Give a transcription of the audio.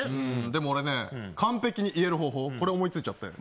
でも完璧に言える方法思いついちゃったよ。